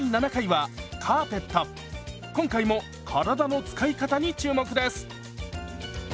今回も体の使い方に注目です！